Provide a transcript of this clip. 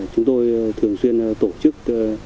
chúng tôi thường xuyên tổ chức